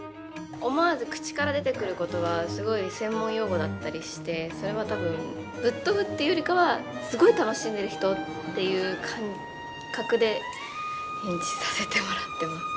思わず口から出てくる言葉はすごい専門用語だったりしてそれは多分ぶっ飛ぶっていうよりかはすごい楽しんでる人っていう感覚で演じさせてもらってます。